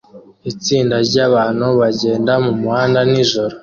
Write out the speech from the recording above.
Itsinda ryabantu bagenda mumuhanda nijoro